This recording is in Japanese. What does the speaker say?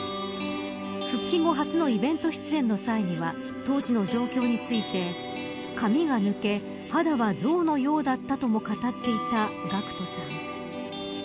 復帰後初のイベント出演の際には当時の状況について髪が抜け、肌はゾウのようだったとも語っていたＧＡＣＫＴさん。